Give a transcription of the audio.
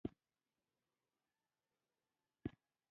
طلایي ګنبده یا قبة الصخره د شپې په تیاره کې له ورایه ځلېږي.